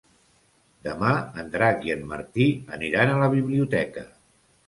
Demà en Drac i en Martí aniran a la biblioteca.